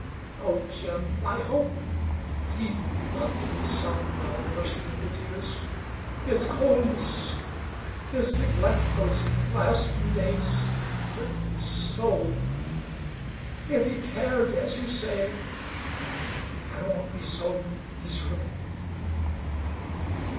"Oh, Jim, I hope he loved me," sobbed Nell, bursting into tears. "His coldness his neglect those last few days hurt me so. If he cared as you say I won't be so miserable."